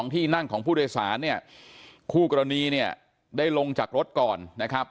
๑๒ที่นั่งของผู้โดยสารคู่กรณีได้ลงจากรถก่อนนะครับ